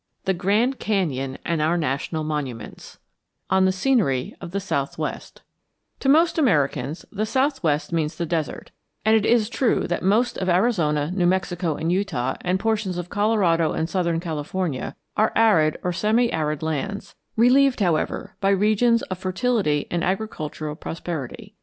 THE GRAND CANYON AND OUR NATIONAL MONUMENTS ON THE SCENERY OF THE SOUTHWEST To most Americans the southwest means the desert, and it is true that most of Arizona, New Mexico, and Utah, and portions of Colorado and southern California, are arid or semiarid lands, relieved, however, by regions of fertility and agricultural prosperity.